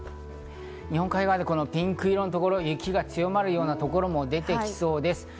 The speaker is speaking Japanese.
日本海側でピンク色のところ、雪が強まるようなところも出てきそうです。